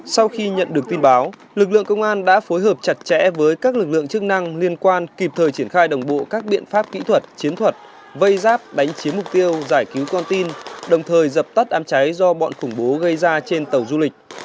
sau khi nhận được tin báo lực lượng công an đã phối hợp chặt chẽ với các lực lượng chức năng liên quan kịp thời triển khai đồng bộ các biện pháp kỹ thuật chiến thuật vây giáp đánh chiếm mục tiêu giải cứu con tin đồng thời dập tắt đám cháy do bọn khủng bố gây ra trên tàu du lịch